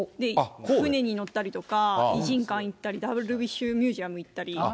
船に乗ったりとか、異人館行ったりとか、ミュージアム行ったり。